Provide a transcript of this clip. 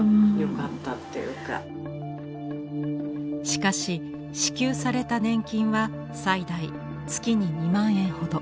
しかし支給された年金は最大月に２万円ほど。